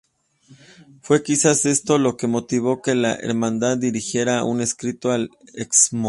Fue quizás esto lo que motivo que la Hermandad dirigiera un escrito al Excmo.